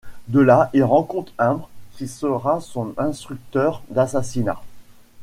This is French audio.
De là il rencontre Umbre, qui sera son instructeur d'assassinat…